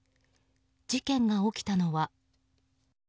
事件が起きたのは。